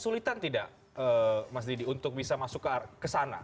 sulitan tidak mas didi untuk bisa masuk ke sana